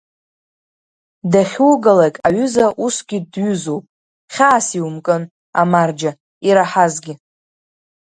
Дахьугалак аҩыза усгьы дҩызоуп, хьаас иумкын, амарџьа, ираҳазгьы.